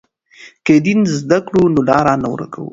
که دین زده کړو نو لار نه ورکوو.